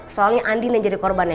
soalnya andin yang jadi korbannya